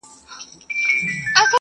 لس کلونه یې تر مرګه بندیوان وو؛